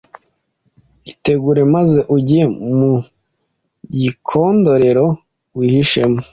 Itegure maze ujye mu gikondorero wihishemo